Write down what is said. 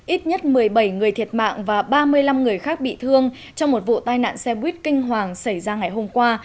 ít nhất một mươi bảy người thiệt mạng và ba mươi năm người khác bị thương trong một vụ tai nạn xe buýt kinh hoàng xảy ra ngày hôm qua